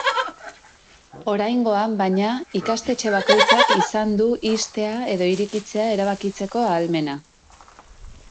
Oraingoan, baina, ikastetxe bakoitzak izan du ixtea edo irekitzea erabakitzeko ahalmena.